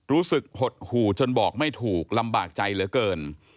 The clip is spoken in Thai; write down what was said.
รู้สึกหดหู่จนบอกไม่ถูกลำบากใจเหลือเกิน